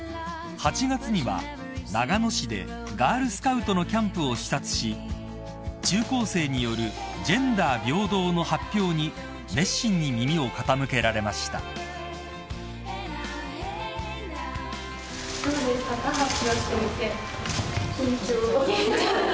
［８月には長野市でガールスカウトのキャンプを視察し中高生によるジェンダー平等の発表に熱心に耳を傾けられました］緊張。